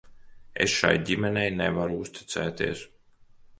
Es šai ģimenei nevaru uzticēties.